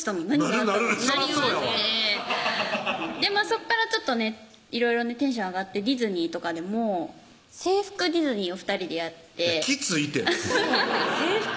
そこからちょっとねいろいろねテンション上がってディズニーとかでも制服ディズニーを２人でやってきついって制服？